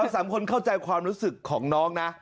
สามคนเข้าใจความรู้สึกของน้องนะ